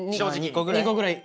２個ぐらい？